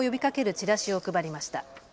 チラシを配りました。